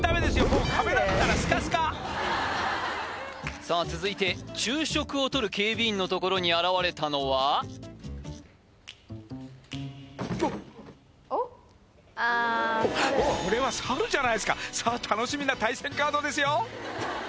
もう壁だったらスカスカさあ続いて昼食をとる警備員のところに現れたのはこれはサルじゃないですかさあ楽しみな対戦カードですよ